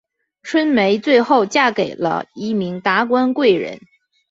春梅最后嫁给了一名达官贵人。